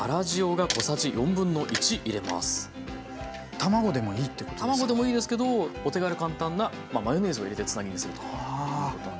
卵でもいいですけどお手軽簡単なマヨネーズを入れてつなぎにするということなんですね。